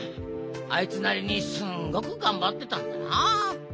あいつなりにすんごくがんばってたんだな。